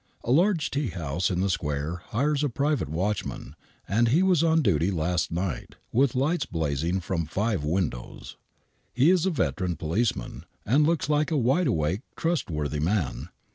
A large tea house in the square hires a private watchman, and. he was on duty last night, with lights blazing from five windows. He is a veteran policeman, and looks like a wide awake,, trustworthy man.